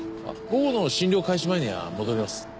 午後の診療開始前には戻ります。